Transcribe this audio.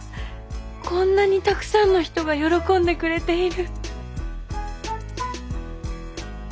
こんなにたくさんの人が喜んでくれている。